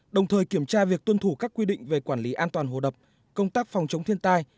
đồng thời kiểm tra việc tuân thủ các quy định về quản lý an toàn hồ đập công tác phòng chống thiên tai